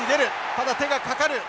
ただ手がかかる。